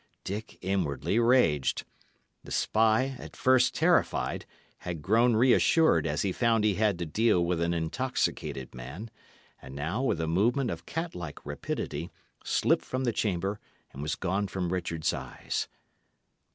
Dick inwardly raged. The spy, at first terrified, had grown reassured as he found he had to deal with an intoxicated man, and now, with a movement of cat like rapidity, slipped from the chamber, and was gone from Richard's eyes.